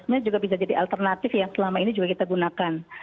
sebenarnya juga bisa jadi alternatif yang selama ini juga kita gunakan